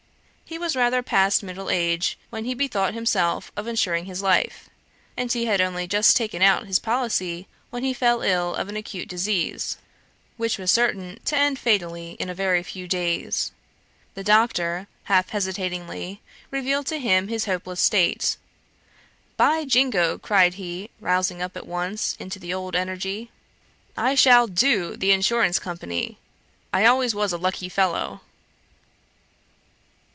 He was rather past middle age, when he bethought him of insuring his life; and he had only just taken out his policy, when he fell ill of an acute disease which was certain to end fatally in a very few days. The doctor, half hesitatingly, revealed to him his hopeless state. "By jingo!" cried he, rousing up at once into the old energy, "I shall do the insurance company! I always was a lucky fellow!"